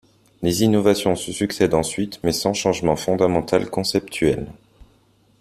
Les innovations se succèdent ensuite, mais sans changement fondamental conceptuel.